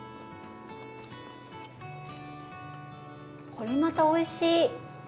これまたおいしい！